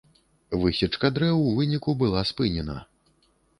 Высечка дрэў у выніку была спынена.